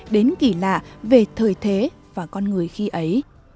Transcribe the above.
đến kỳ lạ về thời thế và con người khi ấy